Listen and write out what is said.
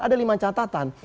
ada lima catatan